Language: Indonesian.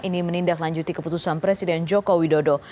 ini menindaklanjuti keputusan presiden joko widodo